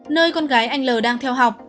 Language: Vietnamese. nơi con gái anh l đang theo học